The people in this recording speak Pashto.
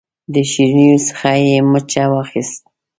د شیرینو څخه یې مچه واخیسته.